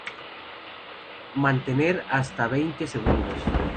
Mantener hasta veinte segundos.